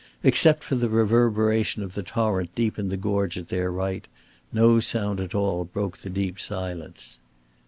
Except for the reverberation of the torrent deep in the gorge at their right, no sound at all broke the deep silence.